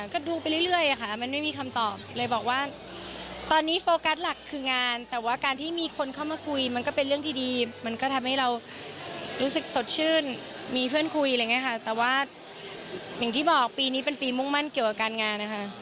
กูก็รู้สึกว่า